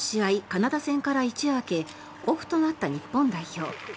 カナダ戦から一夜明けオフとなった日本代表。